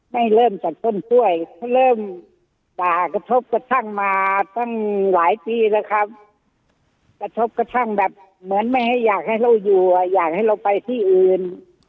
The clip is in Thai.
เริ่มจากต้นกล้วยเขาเริ่มด่ากระทบกระทั่งมาตั้งหลายปีแล้วครับกระทบกระทั่งแบบเหมือนไม่ให้อยากให้เราอยู่อ่ะอยากให้เราไปที่อื่น